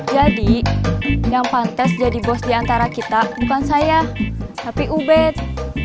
jadi yang pantas jadi bos di antara kita bukan saya tapi ubed